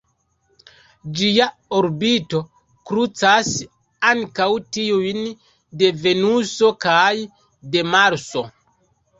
Ĝia orbito krucas ankaŭ tiujn de Venuso kaj de Marso.